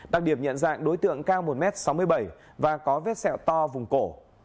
đặc điểm nhận dạng đối tượng cao một m sáu mươi bảy và có vết sẹo to vùng cổ